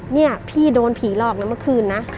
นี่พี่โดนผีหลอกนะเมื่อคืนนะ